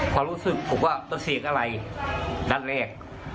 ความรู้สึกผมก็เสียงอะไรด้านแรก